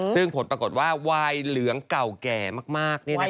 ซึ่งผลปรากฏว่าวายเหลืองเก่าแก่มาก